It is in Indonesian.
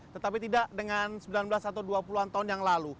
tetapi tidak dengan sembilan belas atau dua puluh an tahun yang lalu